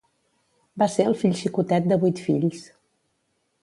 Va ser el fill xicotet de vuit fills.